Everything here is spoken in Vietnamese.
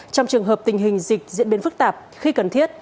trong trường hợp tình hình dịch diễn biến phức tạp khi cần thiết